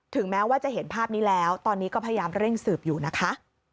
แม้ว่าจะเห็นภาพนี้แล้วตอนนี้ก็พยายามเร่งสืบอยู่นะคะ